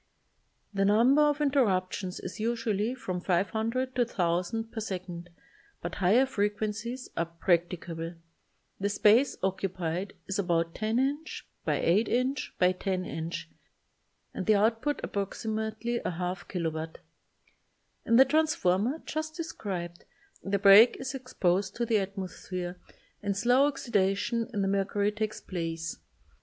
The number of interruptions is usually from 500 to 1,000 per second but higher frequencies are practicable. The space occupied is about 10" x 8" x 10" and the output approximate ly y2 k.w. In the transformer just described the break is exposed to the atmosphere and a slow oxidation of the mercury takes place.